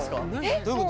どういうこと？